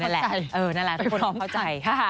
และเข้าใจ